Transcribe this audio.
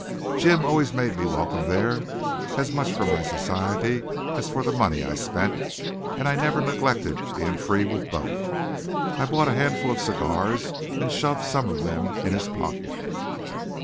Jim always made me welcome there, as much for my society as for the money I spent, and I never neglected being free with both. I bought a handful of cigars and shoved some of them in his pocket.